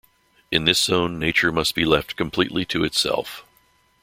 In this zone nature must be left completely to itself.